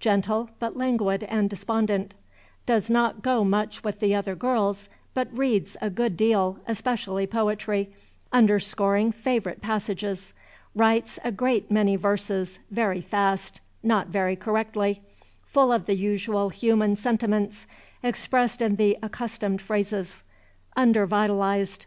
Gentle, but languid and despondent. Does not go much with the other girls, but reads a good deal, especially poetry, underscoring favorite passages. Writes a great many verses, very fast, not very correctly; full of the usual human sentiments, expressed in the accustomed phrases. Under vitalized.